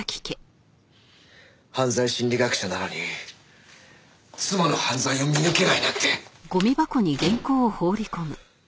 犯罪心理学者なのに妻の犯罪を見抜けないなんて。